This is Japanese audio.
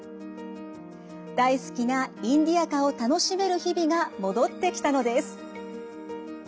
大好きなインディアカを楽しめる日々が戻ってきたのです。